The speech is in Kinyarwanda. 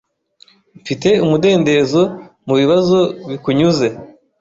Mfite umudendezo mubibazo bikunyuze